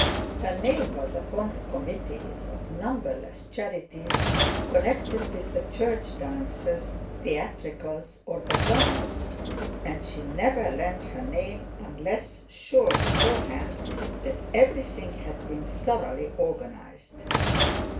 Her name was upon the committees of numberless charities connected with the Church dances, theatricals, or bazaars—and she never lent her name unless sure beforehand that everything had been thoroughly organized.